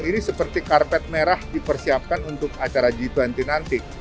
ini seperti karpet merah dipersiapkan untuk acara g dua puluh nanti